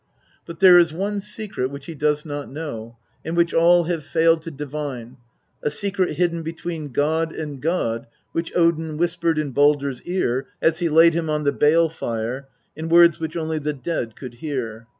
But there is one secret which he does not know, and which all have failed to divine, a secret hidden between god and god, which Odin whispered in Baldr's ear, as he laid him on the bale fire, in words which only the dead could hear.